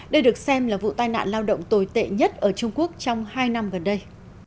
đây được xem là vụ tai nạn lao động tồi tệ nhất ở trung quốc trong hai năm gần đây